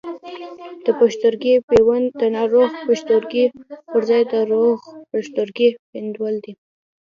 د پښتورګي پیوند د ناروغ پښتورګي پر ځای د روغ پښتورګي پیوندول دي.